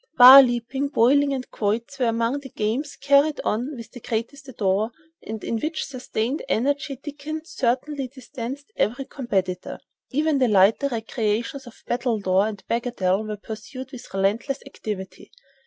Bar leaping, bowling and quoits were among the games carried on with the greatest ardor, and in sustained energy Dickens certainly distanced every competitor. Even the lighter recreations of battledore and bagatelle were pursued with relentless activity.